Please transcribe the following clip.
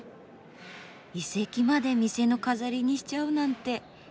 遺跡まで店の飾りにしちゃうなんて。